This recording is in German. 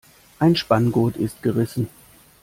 Ein Spanngurt ist gerissen.